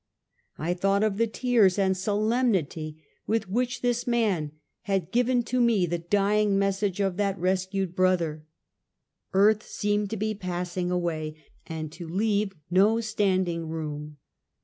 I thought of the tears and solemnity with which this man had given to me the dying message of that res cued brother. Earth seemed to be passing away, and to leave no standing room.